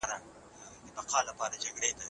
تبليغات د سياسي موخو لپاره څنګه کارول کېږي؟